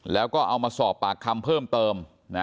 แล้วก็เอามาสอบปากคำเพิ่มเติม